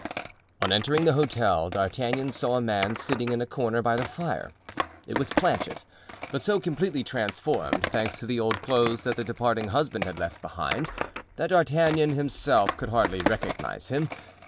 On entering the hotel D'Artagnan saw a man sitting in a corner by the fire. It was Planchet, but so completely transformed, thanks to the old clothes that the departing husband had left behind, that D'Artagnan himself could hardly recognize him.